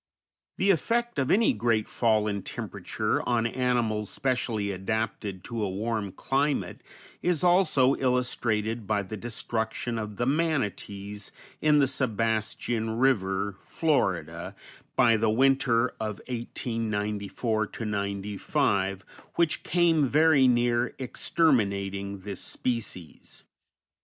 The effect of any great fall in temperature on animals specially adapted to a warm climate is also illustrated by the destruction of the Manatees in the Sebastian River, Florida, by the winter of 1894 95, which came very near exterminating this species.